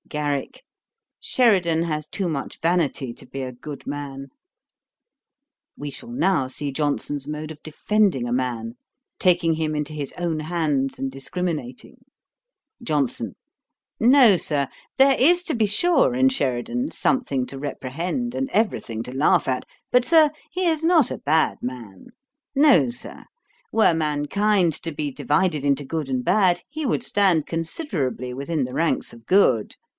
GARRICK. 'Sheridan has too much vanity to be a good man.' We shall now see Johnson's mode of defending a man; taking him into his own hands, and discriminating. JOHNSON. 'No, Sir. There is, to be sure, in Sheridan, something to reprehend, and every thing to laugh at; but, Sir, he is not a bad man. No, Sir; were mankind to be divided into good and bad, he would stand considerably within the ranks of good.